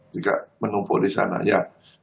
tidak menumpuk di sana ya